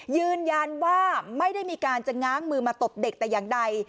ยืนยันว่าไม่ได้มีการจะง้างมือมาตบเด็กแต่อย่างใด